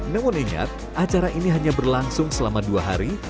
namun ingat acara ini hanya berlangsung selama dua hari